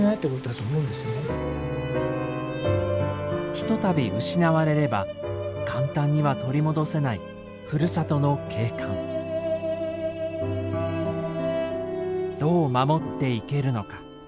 ひとたび失われれば簡単には取り戻せないふるさとの景観どう守っていけるのか。